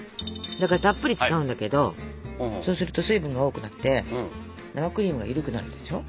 だからたっぷり使うんだけどそうすると水分が多くなって生クリームが緩くなるでしょ。